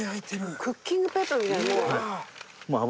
クッキングペーパーみたいなもん？